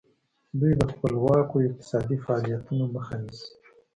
دوی د خپلواکو اقتصادي فعالیتونو مخه نیسي.